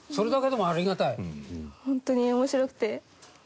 本当に面白くて。